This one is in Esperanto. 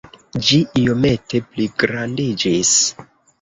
Ĝi iomete pligrandiĝis.